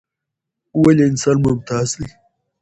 ولې انسان ممتاز دى؟